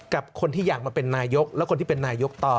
กับคนที่อยากมาเป็นนายกและคนที่เป็นนายกต่อ